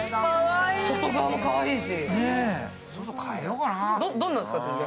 外側もかわいいし。